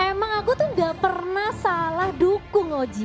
emang aku tuh gak pernah salah dukung oji